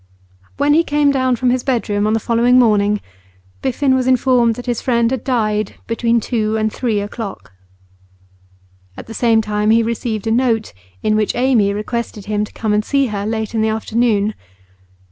When he came down from his bedroom on the following morning, Biffen was informed that his friend had died between two and three o'clock. At the same time he received a note in which Amy requested him to come and see her late in the afternoon.